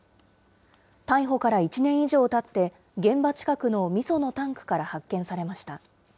逮捕から１年以上たって、現場近くのみそのタンクから発見されました。